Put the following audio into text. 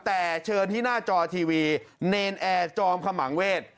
แต่เชิญที่หน้าจอทีวีเนรนแอร์จอมขมังเวท